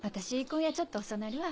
今夜ちょっと遅なるわ。